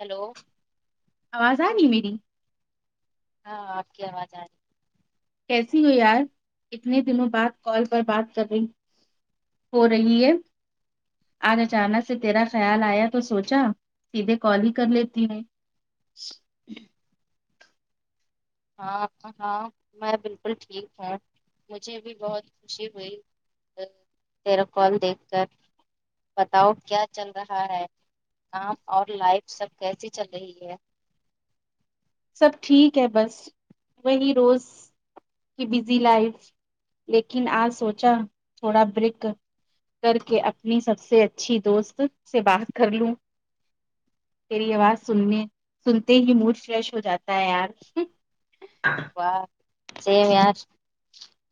hello آواز آ ری میری ہاں آپ کی آواز آ رہی کیسی ہو یار اتنے دنوں بعد کال پر بات کر رہی ہو رہی ہے آج اچانک سے تیرا خیال آیا تو سوچا سیدھے کال ہی کر لیتی ہے [inaudible] ہاں ہاں میں بالکل ٹھیک ہوں مجھے بھی بہت خوشی ہوئی تیرا کال دیکھ کر بتاؤ کیا چل رہا ہے کام اور لائف سب کیسی چل رہی ہے سب ٹھیک ہے بس وہی روز کی بزی لائف لیکن آج سوچا تھوڑا بریک کر کر کے اپنی سب سے اچھی دوست سے بات کر لوں تیری آواز سننے سنتے ہی موڈ فریش ہو جاتا ہے یار واہ سیم یار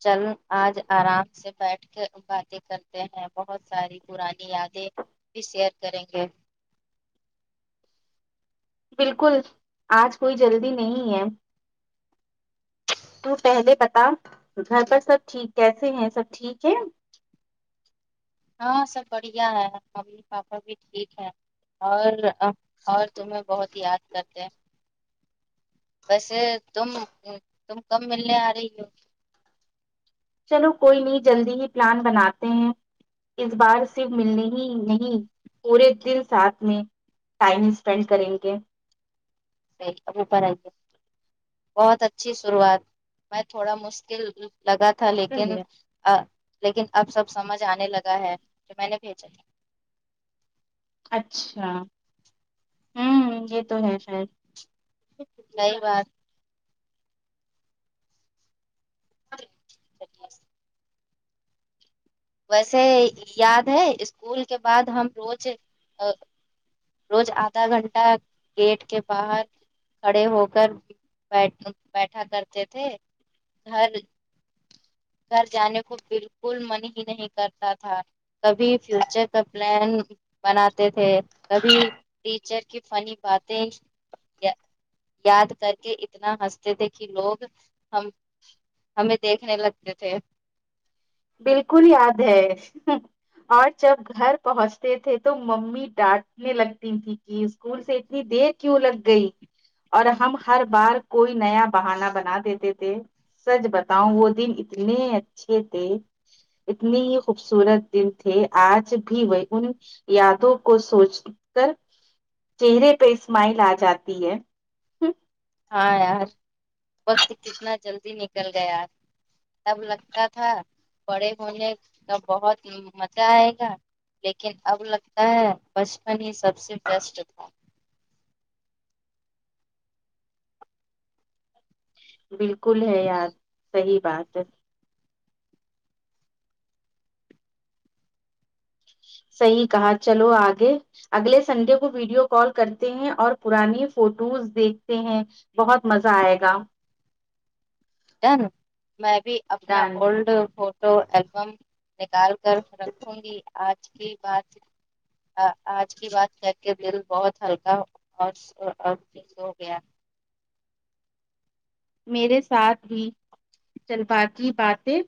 چلو آج آرام سے بیٹھ کے باتیں کرتے ہیں بہت ساری پرانی یادیں بھی شیئر کریں گے بالکل آج کوئی جلدی نہیں ہے تو پہلے بتا گھر پر سب ٹھیک کیسے ہیں سب ٹھیک ہے ہاں سب بڑھیا ہے ممی پاپا بھی ٹھیک ہے اور اور تمہیں بہت یاد کر تہ ویسے تم تم کم ملنے آ رہی ہو چلو کوئی نہیں جلدی ہی پلان بناتے ہیں اس بار سے ملنے ہی نہیں پورے دن ساتھ میں ٹائم اسپینڈ کریں گے مک اب اوپر آئیے بہت اچھی شروعات میں تھوڑا مشکل لگا تھا لیکن ا لیکن اب سب سمجھ ا نے لگا ہےجو میں نے بھیجا اچھا ہمم یہ تو ہے شاہد صحیح بات [unintelligible] ویسے یاد ہے اسکول کے بعد ہم روز روز آدھا گھنٹہ گیٹ کے باہر کھڑے ہو کر بیٹھ بیٹھا کرتے تھے گھر گھر جانے کو بالکل من ہی نہیں کرتا تھا کبھی فیوچر کا پلان بناتے تھے کبھی ٹیچر کی فنی باتیں یاد کر کے اتنا ہنستے تھے کہ لوگ ہم ہمیں دیکھنے لگتے تھے بالکل یاد ہے اور جب گھر پہنچتے تھے تو ممی ڈانٹ نے لگتی تھیں کہ اسکول سے اتنی دیر کیوں لگ گئی اور ہم ہر بار کوئی نیا بہانا بنا دیتے تھے سچ بتاؤ وہ دن اتنے اچھے تھے اتنی ہی خوبصورت دن تھے آج بھی وہ ان یادو کو سوچ کر چہرے پہ سمائل آ جاتی ہے ہاں یار وقت کتنا جلدی نکل گیا یار تب لگتا تھا بڑے ہونے کا بہت مزہ آئے گا لیکن اب لگتا ہے بچپن ہی سب سے بیسٹ تھا بالکل ہے یار صحیح بات ہے صحیح کہا چلو آگے اگلے سنڈے کو ویڈیو کال کرتے ہیں اور پرانی فوٹوز دیکھتے ہیں بہت مزہ آئے گا ٹن میں بھی اپنا ڈن اولڈ فوٹو البم نکال کر رکھوں گی آج کی بات ا آج کی بات کر کے دل بہت ہلکا اور سو گیا میرے ساتھ بھی چل با کی باتیں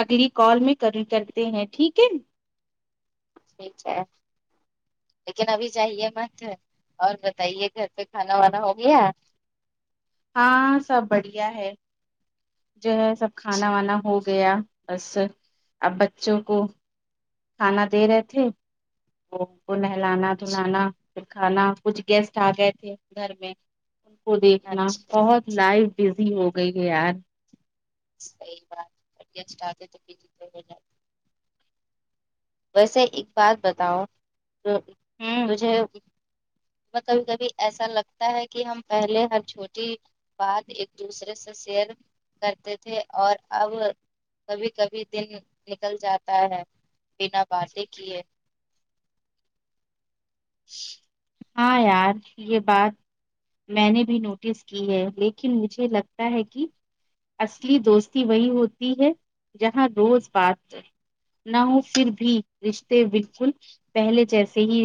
اگلی کال میں کر یہ کرتے ہیں ٹھیک ہے ٹھیک ہے لیکن ابھی چائیے مت اور بتائیے گھر پہ کھانا وانا ہو گیا ہاں سب بڑھیا ہے جو ہے سب کھانا وانا ہو گیا بس اب بچوں کو کھانا دے رہے تھے وہ ان کو نہلانا دلانا پھر کھانا کچھ گیسٹ آ گئے تھے گھر میں ان کو دیکھنا اچھا بہت لائو بزی ہو گئی ہے یار [unintelligible] سحیی باتباہ جائے ویسے ایک بات بتاؤ ا ہوں تجھے کبھی کبھی ایسا لگتا ہے کہ ہم پہلے ہر چھوٹی بعد ایک دوسرے سے شیر کرتے تھے اور اب کبھی کبھی دن نکل جاتا ہے بنا باتیں کئے ہاں یار یہ بات میں نے بھی نوٹس کی ہے لیکن مجھے لگتا ہے کہ اصلی دوستی وہی ہوتی ہے جہاں روز بات نہ ہو پھر بھی رشتے بالکل پہلے جیسے ہی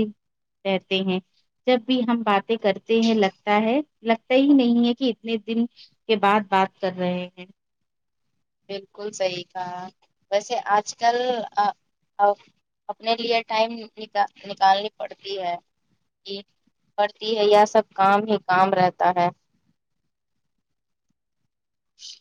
کہتے ہیں جب بھی ہم باتیں کرتے ہیں لگتا ہے لگتا ہی نہیں ہے کہ اتنے دن کے بعد بات کر رہے ہیں بالکل صحیح کہا ویسے آج کل ا او اپنے لیے ٹائم نک نکالنی پڑتی ہے پڑتی ہے یہ سب کام ہی کام رہتا ہے شے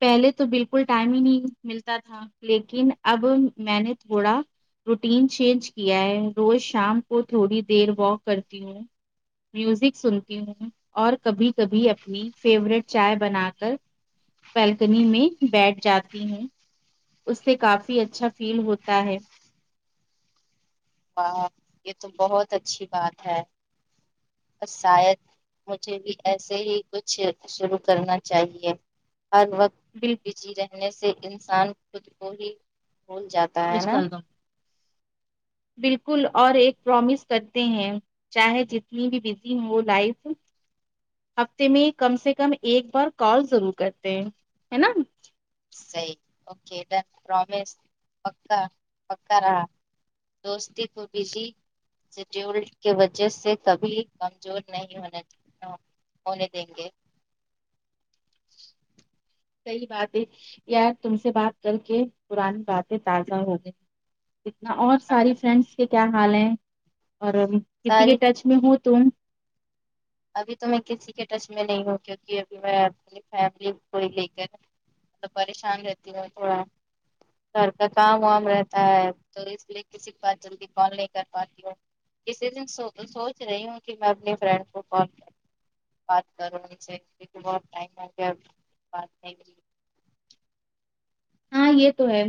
پہلے تو بالکل ٹائم ہی نہیں ملتا تھا لیکن اب میں نے تھوڑا روٹین چینج کیا ہے روز شام کو تھوڑی دیر واک کرتی ہوں میوزک سنتی ہوں اور کبھی کبھی اپنی فیوریٹ چائے بنا کر بلکنی میں بیٹھ جاتی ہوں اس سے کافی اچھا فیل ہوتا ہے واہ یہ تو بہت اچھی بات ہے پر شاید مجھے بھی ایسے ہی کچھ شروع کرنا چاہیے ہر وقت بال بزی رہنے سے انسان خود کو ہی بھول جاتا ہے مس نا کدوں بالکل اور ایک پرومس کرتے ہیں چاہے جتنی بھی بزی ہو لائف ہفتے میں کم سے کم ایک بار کال ضرور کرتے ہیں ہے نا صحیح ا وکے ڈن پرومیس پکا پکا رہا دوستی کو بیزی شڈیول کی وجہ سے کبھی کمزور نہیں ہونے دینا ہونے دیں گے صیحی بات ہے یار تم سے بات کر کے پرانی باتیں تازہ ہو گئی اتنا اور ساری فرینڈس کے کیا حال ہیں اور کسی کے ساری ٹچ میں ہو تم ابھی تو میں کسی کے ٹچ میں نہیں ہوں کیوںکہ ابھی میں اپنی فیملی کو ہی لے کر میں پریشان رہتی ہے تھوڑا گھر کا کام وام رہتا ہے تو اس لیے کسی بات جلدی کال نہیں کر پاتی ہوں کیسی دن سوچ رہی ہوں کہ میں اپنی فرینڈ تو کال بات کرو ان سے کی بہت ٹائم ہوگیا بات نہیں کی ہاں یہ تو ہے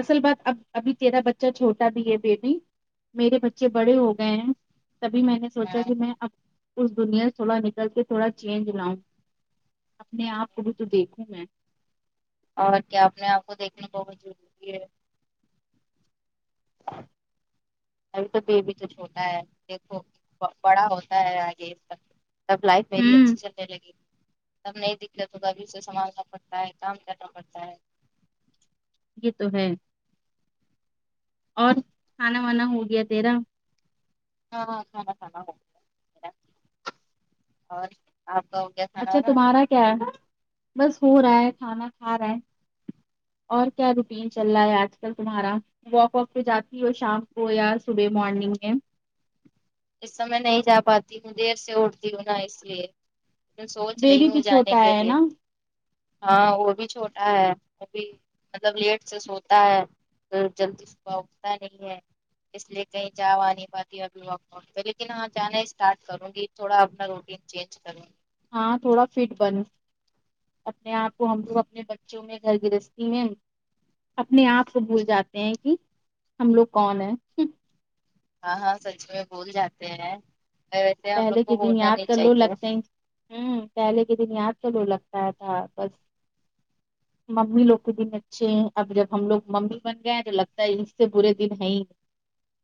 اصل بات اب ابھی تیرا بچہ چھوٹا بھی ہےبی میرے بچے بڑے ہو گئے ہیں تبھی میں نے سوچا کہ میں اب اس دنیا سے تھوڑا نکل کے تھوڑا چینج لاؤں اپنے آپ کو بھی تو دیکھوں میں اور کیا اپنے آپ کو دیکھنا بہت ضروری ہے ابھی تو بیبی تو چھوٹا ہے دیکھو ب بڑا ہوتا ہے آگے تب لائف میری ہوں اچھی چلنے لگی تب نہیں دقت ہوگا ابھی اسے سنبھالنا پڑتا ہے کام کرنا پڑتا ہے یہ تو ہے کھانا وانا ہو گیا تیرا ہاں ہاں کھانا کھانا ہوگیا اور آپ کا ہو گیا کھانا اچھا وانا تمہارا کیا ہے بس ہو رہا ہے کھانا کھا رہا ہے اور کیا روٹین چل رہا ہے آج کل تمہارا واک واک پہ جاتی ہو شام کو یا صبح مارننگ میں اس سمے میں نہیں جا پاتی ہوں دیر سے اٹھتی ہوں نا اس لیے میں سوچ رہی بیبی ہوں بھی جانے چھوٹا کے ہے لیئے نا ہاں وہ بھی چھوٹا ہے وہ بھی مطلب لیٹ سے سوتا ہے تو جلدی صبح اٹھتا نہیں ہے اس لیے کہیں جا وآ نہیں پاتی ابھی واک واک پہ لیکن ہاں جانا اسٹارٹ کروں گی تھوڑا اپنا روٹین چینج کروں ہاں تھوڑا فٹ بن اپنے آپ کو ہم لوگ اپنے بچوں میں گھر گرہستی میں اپنے آپ کو بھول جاتے ہیں کی ہم لوگ کون ہیں ہوں ہاں ہاں سچ میں بھول جاتے ہیں ویسے ہم لوگ پہلے کو کے دن بھولنا یاد نہیں کر لو چاہیے لگتے ہیں ہوں پہلے کے دن یاد تو لو لگتا تھا بس ممی لوگ کے دن اچھے ہیں اب جب ہم لوگ ممی بن گئے ہیں تو لگتا ہے اس سے برے دن ہیں ہی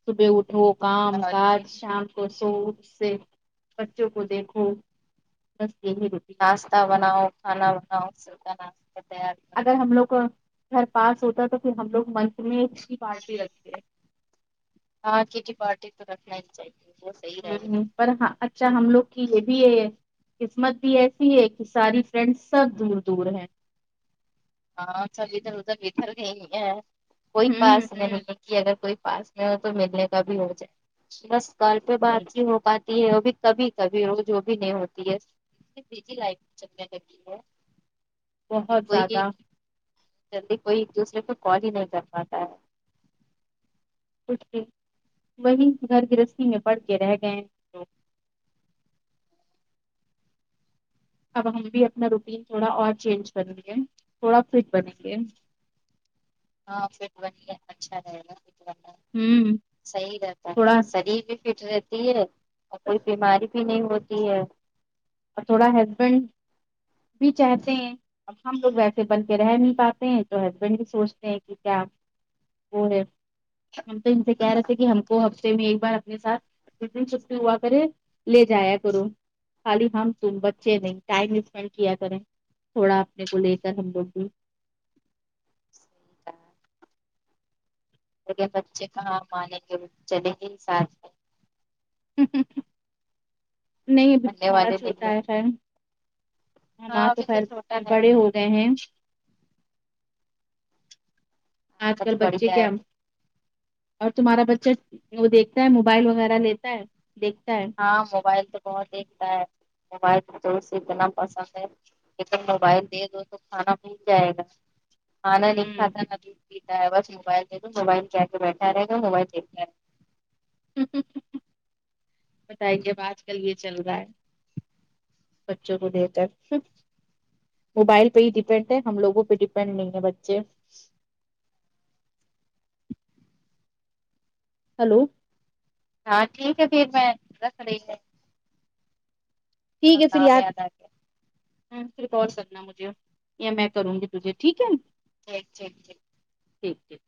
صبح اٹھو کام اور کاج کہ شام کو سو سے بچوں کو دیکھو بس یہی روٹیں ناشتہ بناؤ کھانا بناؤ سب کا ناشتہ تیار کرو اگر ہم لوگ گھر پاس ہوتا ہے تو پھر ہم لوگ منت میں اس کی پارٹی رکھتے ہاں کٹی پارٹی تو رکھنا ہی چاہیے وہ صحیح رہے ہوں گا ہوں پر ہاں اچھا ہم لوگ کی یہ بھی ہے قسمت بھی ایسی ہے کی ساری فرینڈ سب دور دور ہیں ہاں سب ادھر ادھر بکھر گئی ہے کوئی ہوں پاس میں ہوں نہیں کی اگر کوئی پاس میں ہو تو ملنے کا بھی ہو جائے بس کال پہ نہیں بات ہی ہو پا تی ہے وہ بھی کبھی کبھی روز وہ بھی نہیں ہوتی ہے بزی لائف چلنے لگی ہے کہ بہت کوئی زیادہ جلدی کوئی ایک دوسرے کو کال ہی نہیں کر پاتا ہے کچھ بھی وہی گھر گرہستی میں پڑ کے رہ گئے تو اب ہم بھی اپنا روٹین تھوڑا اور چینج کرئیں گے تھوڑا فٹ بنیں گے [unintelligible] ہاں پھر وہی اچھا رہے گا ہوں صحیح رہتا ہے تھوڑا شریر بھی فٹ رہتی ہے کوئی بیماری بھی نہیں ہوتی ہے تھوڑا ہسبینڈ بھی چاہتے ہیں اب ہم لوگ ویسے بن کے رہ نہیں پاتے ہیں تو ہسبینڈ بھی سوچتے ہیں کی کیا وہ ہے ہم تو ان سے کہہ رہے تھے کہ ہم کو ہفتے میں ایک بار اپنے ساتھ جس دن چھٹی ہوا کرے لے جایا کرو خالی ہم تم بچے نہیں ٹائم اسپینڈ کیا کریں تھوڑا اپنے کو لے کر ہم لوگ بھی نے بچے کہاں مانیں گے چلیں گے ہی ساتھ میں ہوں ہوں ہوں نہیں ابھی ماننے تمہارا والے نہیں چھوٹا ہیں ہے خیر ہاں ہمارے تو ابھی خیر چھوٹا ہے بڑے ہو گئے ہیں آج کل بہت بچے بڑھیا ہے کیا اور تمہارا بچہ وہ دیکھتا ہے موبائل وغیرہ لیتا ہے دیکھتا ہے ہاں موبائل تو بہت دیکھتا ہے موبائل تو اسے اتنا پسند ہے ایکدم موبائل دے دو تو کھانا بھول جائے گا کھانا نہیں ہوں کھاتا نہ دودھ پیتا ہے بس موبائل دیدو موبائل کے آگے بیٹھا رہے گا تو موبائل دیکھ رہآ بتائے اب آج کل یہ چل رہا ہے بچوں کو دیر تک ہوں موبائل پہ ہی ڈیپینڈ ہے ہم لوگوں پہ ڈیپینڈ نہیں ہے بچے ہلو ہاں ٹھیک ہے پھر میں رکھ رہی ہے ٹھیک ہے پھر کام یاد آ گیا پھر کال کرنا مجھے یا میں کروں گی تجھے ٹھیک ہے [unintelligible] ٹھیک ٹھیک